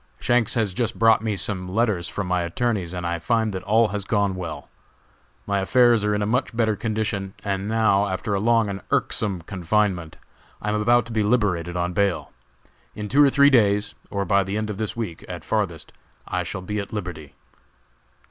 Shanks has just brought me some letters from my attorneys and I find that all has gone well. My affairs are in a much better condition, and now, after a long and irksome confinement, I am about to be liberated on bail. In two or three days, or by the end of this week, at farthest, I shall be at liberty."